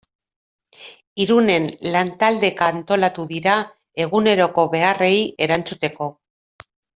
Irunen lantaldeka antolatu dira eguneroko beharrei erantzuteko.